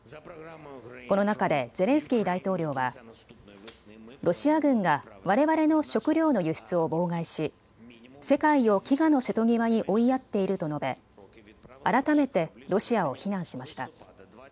この中でゼレンスキー大統領はロシア軍がわれわれの食料の輸出を妨害し世界を飢餓の瀬戸際に追いやっていると述べ改めてロシアを非難しました。